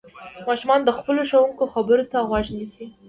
ماشومان د خپلو ښوونکو خبرو ته غوږ نيسي.